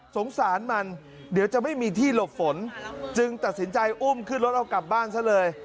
สงสารมันเดี๋ยวจะไม่มีที่หลบฝนจึงตัดสินใจอุ้มขึ้นรถเอากลับบ้านซะเลย